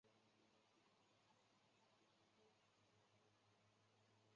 清代建筑郑氏十七房是澥浦镇最重要的旅游景点。